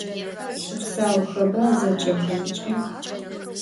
Şüpsauxeba zeç'exemç'e?